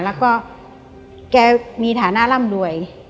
แล้วก็แกมีฐานะร่ำรวย